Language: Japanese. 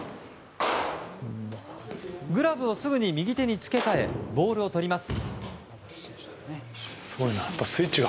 グラブをすぐに右手に付け替えボールをとります。